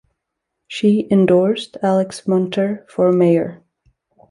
She endorsed Alex Munter for mayor.